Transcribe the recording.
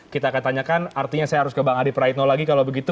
kita akan tanyakan artinya saya harus ke bang adi praitno lagi kalau begitu